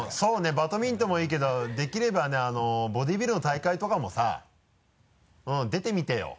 バドミントンもいいけどできればねボディビルの大会とかもさ出てみてよ。